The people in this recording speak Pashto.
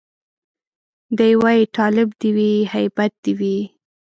دی وايي تالب دي وي هيبت دي وي